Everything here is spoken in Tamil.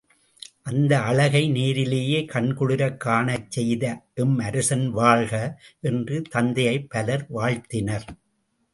அந்த அழகை நேரிலேயே கண்குளிரக் காணச் செய்த எம் அரசன் வாழ்க! என்று தத்தையைப் பலர் வாழ்த்தினர்.